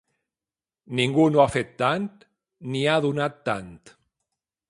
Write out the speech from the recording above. Ningú no ha fet tant ni ha donat tant.